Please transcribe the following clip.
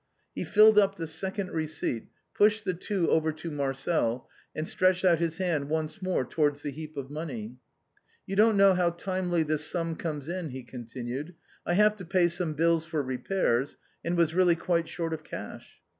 He filled up the second receipt, pushed the two over to Marcel, and stretched out his hand once more towards the heap of money. " You dont know how timely this sum comes in," he continued, " I have to pay some bills for repairs, and was really quite short of cash."